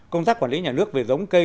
công tác quản lý nhà nước về giống cây